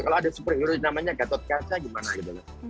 kalau ada superhero namanya gatot kaca gimana gitu kan